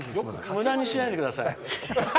むだにしないでください。